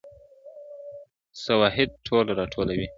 سواهد ټول راټولوي,